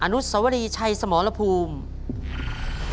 อนุสวรีชัยสมรภูมิ